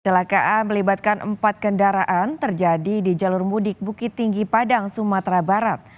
kecelakaan melibatkan empat kendaraan terjadi di jalur mudik bukit tinggi padang sumatera barat